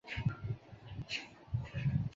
韦罗人口变化图示